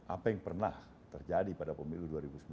apa yang pernah terjadi pada pemilu dua ribu sembilan belas